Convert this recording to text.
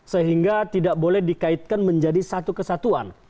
sehingga tidak boleh dikaitkan menjadi satu kesatuan